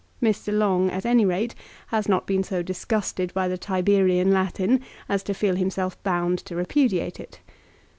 Mr. Long at any rate, has not been so disgusted by the Tiberian Latin as to feel himself bound to repudiate it.